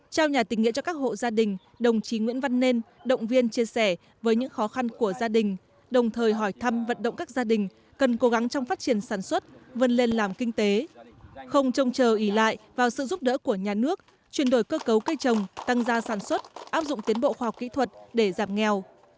trao nhà tình nghĩa cho các hộ gia đình đồng chí nguyễn văn nên động viên chia sẻ với những khó khăn của gia đình đồng thời hỏi thăm vận động các gia đình cần cố gắng trong phát triển sản xuất vươn lên làm kinh tế không trông chờ ý lại vào sự giúp đỡ của nhà nước chuyển đổi cơ cấu cây trồng tăng gia sản xuất áp dụng tiến bộ khoa học kỹ thuật để giảm nghèo